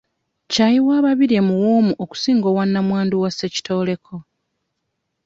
Ccaayi wa Babirye muwoomu okusinga owa namwandu wa Ssekitoleko.